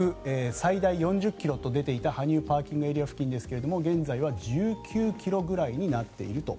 最大４０ｋｍと出ていた羽生ＰＡ付近ですが現在は１９ｋｍぐらいになっていると。